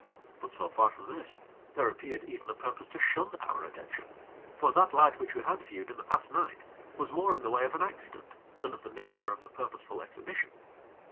But so far from this, there appeared even a purpose to shun our attention; for that light which we had viewed in the past night was more in the way of an accident, than of the nature of a purposeful exhibition.